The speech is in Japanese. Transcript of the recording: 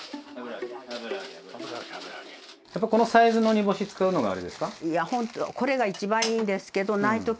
やっぱこのサイズの煮干し使うのがあれですか？